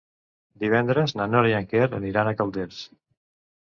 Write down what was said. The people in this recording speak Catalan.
Divendres na Nora i en Quer aniran a Calders.